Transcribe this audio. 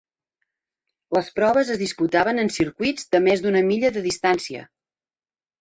Les proves es disputaven en circuits de més d'una milla de distància.